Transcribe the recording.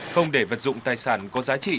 không để vật dụng tài sản có giá trị